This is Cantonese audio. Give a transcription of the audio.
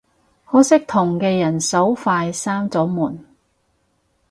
可惜同嘅人手快閂咗門